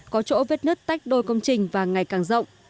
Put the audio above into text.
có chỗ vết nứt tách đôi công trình và ngày càng rộng